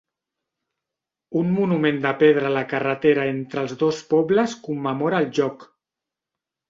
Un monument de pedra a la carretera entre els dos pobles commemora el lloc.